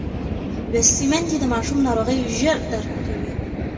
لوستې میندې د ماشوم ناروغۍ ژر درک کوي.